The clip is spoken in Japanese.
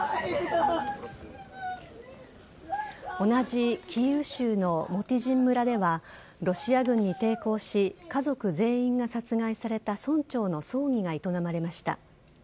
同じキーウ州のモティジン村ではロシア軍に抵抗し家族全員が殺害された村長の葬儀が営まれました。